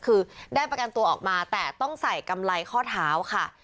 คือได้ประกันตัวออกมาแต่ต้องใส่กำไรข้อเท้าค่ะ